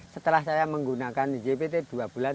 setelah saya menggunakan jpt dua bulan